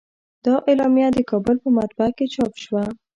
دا اعلامیه د کابل په مطبعه کې چاپ شوه.